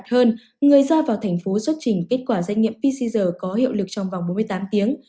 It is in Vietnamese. trong thời gian đó người do vào thành phố xuất trình kết quả xét nghiệm pcr có hiệu lực trong vòng bốn mươi tám tiếng